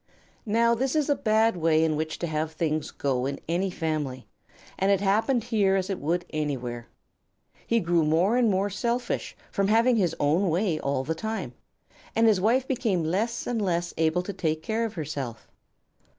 Now this is a bad way in which to have things go in any family, and it happened here as it would anywhere. He grew more and more selfish from having his own way all of the time, and his wife became less and less able to take care of herself.